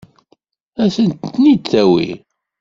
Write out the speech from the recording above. Ad sen-ten-id-tawi?